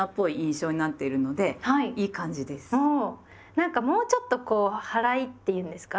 なんかもうちょっとこう「はらい」って言うんですか。